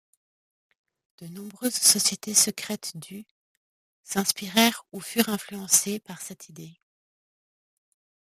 De nombreuses sociétés secrètes du s'inspirèrent ou furent influencées par cette idée.